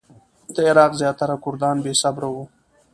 د عراق زیاتره کردان بې صبره وو.